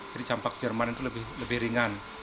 jadi campak jerman itu lebih ringan